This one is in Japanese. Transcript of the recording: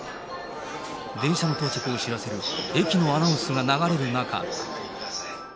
電車の到着を知らせる駅のアナウンスが流れる中。